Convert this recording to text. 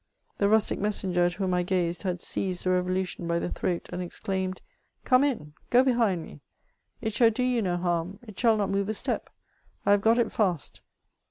The rustic messenger at whom I .gazed had seized the reToIu tion by the throat, and exclaimed, '^ Come in ; go behind me ; it shall do you no harm ; it shall not move a step ; I have got it feist.''